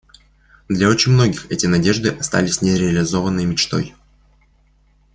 Для очень многих эти надежды остались нереализованной мечтой.